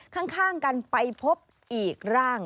ข้างกันไปพบอีกร่าง